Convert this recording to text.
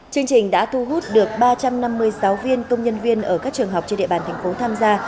chương trình đã thu hút được ba trăm năm mươi giáo viên công nhân viên ở các trường học trên địa bàn thành phố tham gia